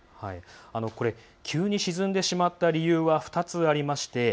急に沈んでしまった理由は２つあります。